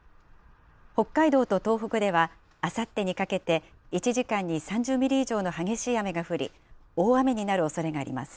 北海道と東北では、あさってにかけて１時間に３０ミリ以上の激しい雨が降り、大雨になるおそれがあります。